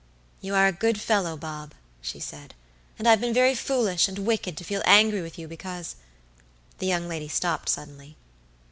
"You are a good fellow, Bob," she said; "and I've been very foolish and wicked to feel angry with you because" The young lady stopped suddenly.